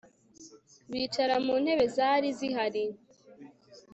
bicara muntebe zari zihari